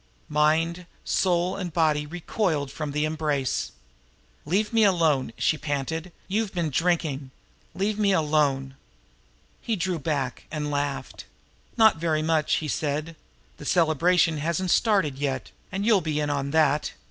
Mind, soul and body recoiled from the embrace. "Leave me alone!" she panted. "You've been drinking. Leave me alone!" He drew back, and laughed. "Not very much," he said. "The celebration hasn't started yet, and you'll be in on that.